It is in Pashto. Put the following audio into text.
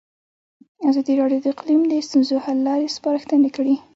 ازادي راډیو د اقلیم د ستونزو حل لارې سپارښتنې کړي.